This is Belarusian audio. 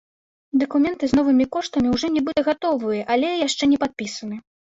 Дакумент з новымі коштамі ўжо, нібыта, гатовы, але яшчэ не падпісаны.